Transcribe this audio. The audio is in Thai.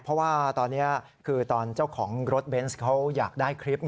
เพราะว่าตอนนี้คือตอนเจ้าของรถเบนส์เขาอยากได้คลิป